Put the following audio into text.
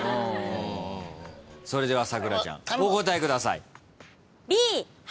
それでは咲楽ちゃんお答えください。